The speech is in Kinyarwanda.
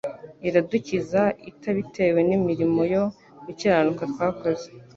«Iradukiza itabitewe n'imirimo yo gukiranuka twakoze,